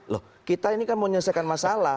loh kita ini kan mau nyelesaikan masalah